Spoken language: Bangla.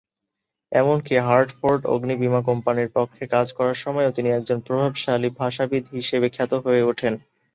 এমনকী হার্টফোর্ড অগ্নি বীমা কোম্পানির পক্ষে কাজ করার সময়েও তিনি একজন প্রভাবশালী ভাষাবিদ হিসেবে খ্যাত হয়ে ওঠেন।